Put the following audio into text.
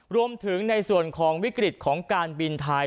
รวมถึงในส่วนของวิกฤตของการบินไทย